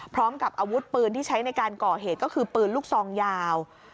พร้อมกับอาวุธปืนที่ใช้ในการก่อเหตุก็คือปืนลูกซองยาว